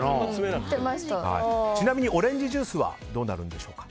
ちなみにオレンジジュースはどうでしょうか？